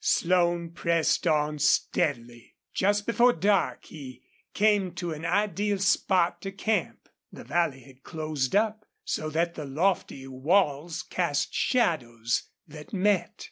Slone pressed on steadily. Just before dark he came to an ideal spot to camp. The valley had closed up, so that the lofty walls cast shadows that met.